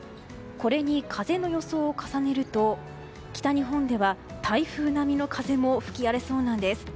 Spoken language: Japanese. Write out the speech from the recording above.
これに風の予想を重ねると北日本では台風並みの風も吹き荒れそうなんです。